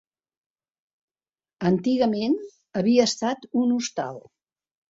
Antigament havia estat un hostal.